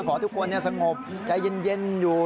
ขอทุกคนสงบใจเย็นอยู่